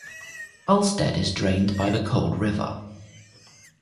Alstead is drained by the Cold River.